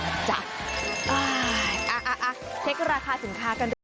เช็คราคาสินค้ากันด้วย